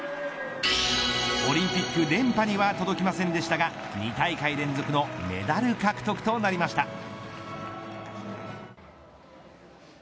オリンピック連覇には届きませんでしたが２大会連続のメダル獲得となりました。